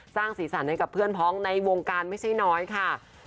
สร้างสีสันให้กับเพื่อนพ้องในวงการไม่ใช่น้อยค่ะ